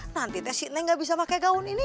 nanti teh si neng gak bisa pake gaun ini